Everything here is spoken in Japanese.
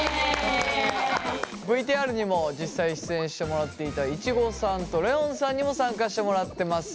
ＶＴＲにも実際出演してもらっていたいちごさんとレオンさんにも参加してもらってます。